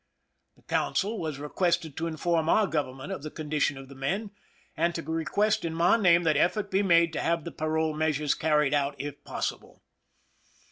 The consul was requested to inform our government of the condition of the men, and to request in my name that effort be made to have the parole measures carried out, if possible.